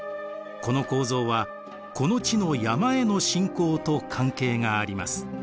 この構造はこの地の山への信仰と関係があります。